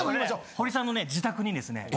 ホリさんのね自宅にですね